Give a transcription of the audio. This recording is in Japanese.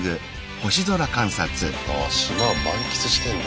ああ島を満喫してんだ。